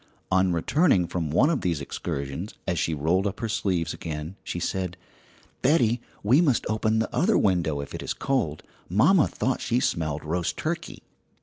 On returning from one of these excursions, as she rolled up her sleeves again, she said: "Betty, we must open the other window if it is cold. Mamma thought she smelled roast turkey!"